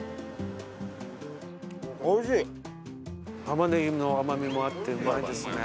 玉ねぎの甘みもあってうまいですね。